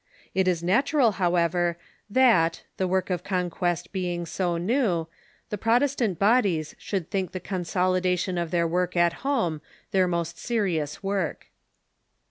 It is natural, how ever, that, the work of conquest being so new, the Protestant bodies should think the consolidation of their work at home their most serious work.